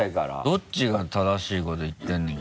どっちが正しいこと言ってるの？